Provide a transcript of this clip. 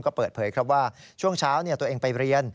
ก็เปิดเผยครับว่าช่วงเช้าตัวเองไปเรียน